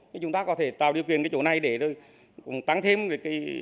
thì chúng ta có thể tạo điều kiện cái chỗ này để rồi cũng tăng thêm cái